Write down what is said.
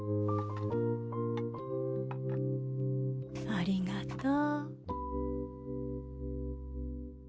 ありがとう。